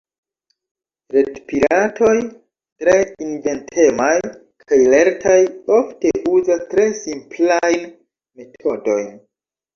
Retpiratoj, tre inventemaj kaj lertaj, ofte uzas tre simplajn metodojn.